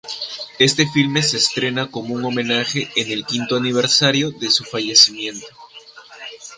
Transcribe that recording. Este filme se estrena como un homenaje en el quinto aniversario de su fallecimiento.